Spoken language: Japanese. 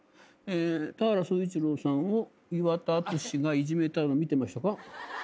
田原総一朗さんを岩田温がいじめたの見てましたか？」